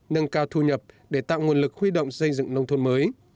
nâng cao thu nhập để tạo nguồn lực huy động xây dựng nông thôn mới